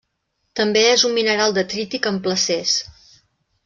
També és un mineral detrític en placers.